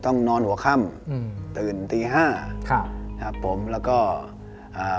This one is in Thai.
นอนหัวค่ำอืมตื่นตีห้าค่ะครับผมแล้วก็อ่า